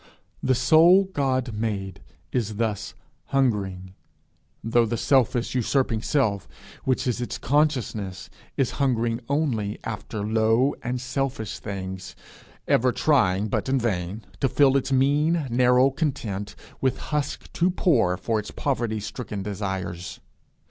The soul God made is thus hungering, though the selfish, usurping self, which is its consciousness, is hungering only after low and selfish things, ever trying, but in vain, to fill its mean, narrow content, with husks too poor for its poverty stricken desires.